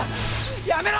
やめろ！